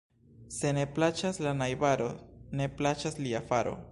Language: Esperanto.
Se ne plaĉas la najbaro, ne plaĉas lia faro.